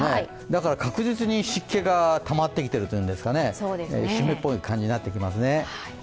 だから確実に湿気がたまってきているといいますか湿っぽい感じになってきますね。